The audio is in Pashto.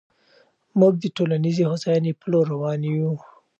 موږ د ټولنیزې هوساینې په لور روان یو.